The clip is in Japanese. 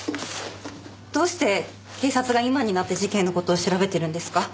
どうして警察が今になって事件の事を調べてるんですか？